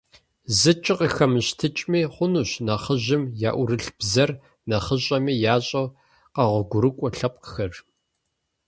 ЗыкӀи къыхэмыщтыкӀми хъунущ нэхъыжьым яӀурылъ бзэр нэхъыщӀэми ящӀэу къэгъуэгурыкӀуэ лъэпкъхэр.